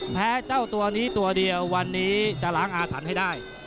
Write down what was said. เจ้าตัวนี้ตัวเดียววันนี้จะล้างอาถรรพ์ให้ได้